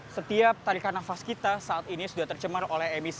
setiap tarikan nafas kita saat ini sudah tercemar oleh emisi